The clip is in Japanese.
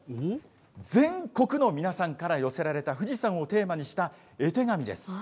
全国の皆さんから寄せられた、富士山をテーマにした絵手紙です。